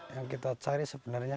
yang kita cari sebenarnya